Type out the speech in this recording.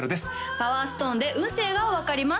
パワーストーンで運勢が分かります